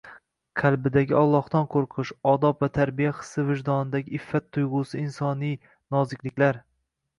Qalbidagi Allohdan qo'rqish, odob va tarbiya hissi vijdonidagi iffat tuyg'usi, insoniy nozikliklar.